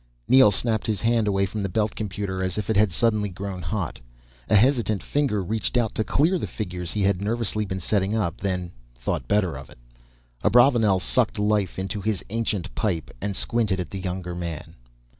Neel snapped his hand away from the belt computer, as if it had suddenly grown hot. A hesitant finger reached out to clear the figures he had nervously been setting up, then thought better of it. Abravanel sucked life into his ancient pipe and squinted at the younger man.